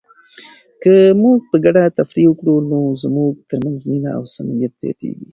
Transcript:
که موږ په ګډه تفریح وکړو نو زموږ ترمنځ مینه او صمیمیت زیاتیږي.